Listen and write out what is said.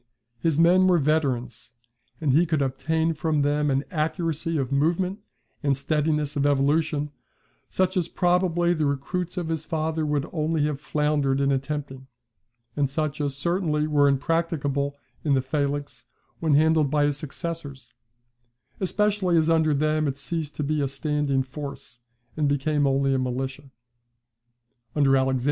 His men were veterans; and he could obtain from them an accuracy of movement and steadiness of evolution, such as probably the recruits of his father would only have floundered in attempting, and such as certainly were impracticable in the phalanx when handled by his successors: especially as under them it ceased to be a standing force, and became only a militia. [See Niebuhr.